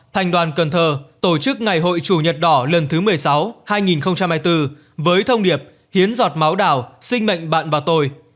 thành đoàn cần thơ tổ chức ngày hội chủ nhật đỏ lần thứ một mươi sáu hai nghìn hai mươi bốn với thông điệp hiến giọt máu đảo sinh mệnh bạn và tôi